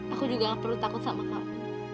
aku juga gak perlu takut sama kamu